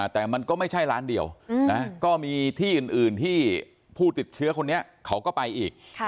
แต่มันก็ไม่ใช่ร้านเดียวก็มีที่อื่นที่ผู้ติดเชื้อคนนี้เขาก็ไปอีก